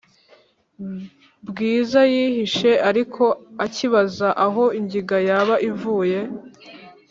bwiza yihishe ariko acyibaza aho ingiga yaba ivuye.